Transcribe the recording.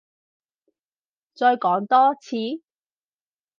再講多次？